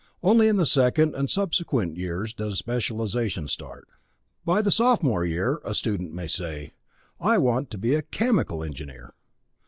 Only in the second and subsequent years does specialization start. By the sophomore year, a student may say, "I want to be a chemical engineer."